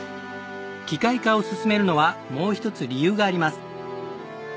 機械化を進めるのはもう一つ理由があります。